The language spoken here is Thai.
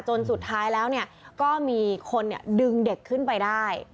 สุดท้ายแล้วก็มีคนดึงเด็กขึ้นไปได้